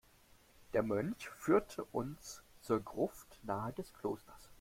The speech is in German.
Der Mönch führte uns zur Gruft nahe des Klosters.